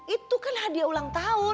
itu kan hadiah ulang tahun